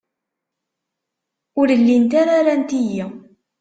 Ur llint ara rant-iyi.